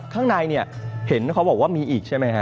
ข้างในเห็นเขาบอกว่ามีอีกใช่ไหมครับ